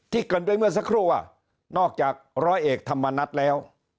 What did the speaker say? เกินไปเมื่อสักครู่ว่านอกจากร้อยเอกธรรมนัฏแล้ว